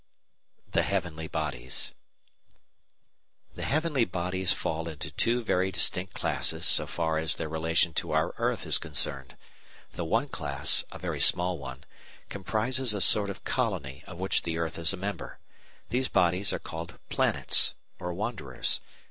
The Heavenly Bodies The heavenly bodies fall into two very distinct classes so far as their relation to our Earth is concerned; the one class, a very small one, comprises a sort of colony of which the Earth is a member. These bodies are called planets, or wanderers.